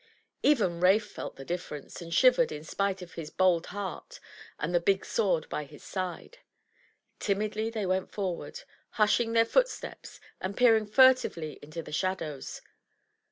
Even Rafe felt the difference, and shivered in spite of his bold heart and the big sword by his side. Timidly they went forward, hushing their footsteps and peering furtively into the shadows.